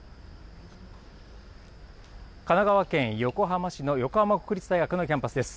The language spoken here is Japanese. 神奈川県横浜市の横浜国立大学のキャンパスです。